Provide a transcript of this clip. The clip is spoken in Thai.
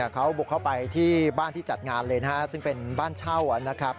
เขาบุกเข้าไปที่บ้านที่จัดงานเลยนะฮะซึ่งเป็นบ้านเช่านะครับ